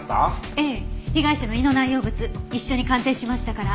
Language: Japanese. ええ被害者の胃の内容物一緒に鑑定しましたから。